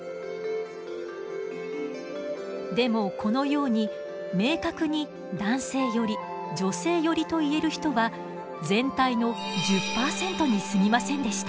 でもこのように明確に男性寄り女性寄りと言える人は全体の１０％にすぎませんでした。